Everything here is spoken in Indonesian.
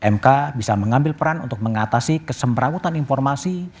mk bisa mengambil peran untuk mengatasi kesemberawutan informasi